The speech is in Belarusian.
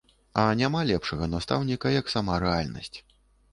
А няма лепшага настаўніка, як сама рэальнасць.